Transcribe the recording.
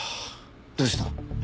どうした？